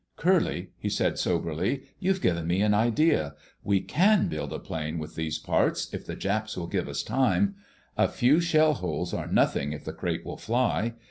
"Curly," he said soberly, "you've given me an idea. We can build a plane with these parts, if the Japs will give us time. A few shell holes are nothing if the crate will fly.